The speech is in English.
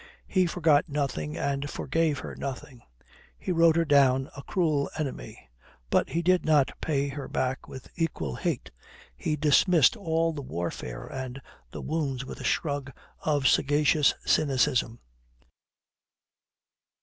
He forgot nothing and forgave her nothing; he wrote her down a cruel enemy. But he did not pay her back with equal hate; he dismissed all the warfare and the wounds with a shrug of sagacious cynicism.